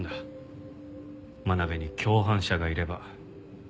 真鍋に共犯者がいれば。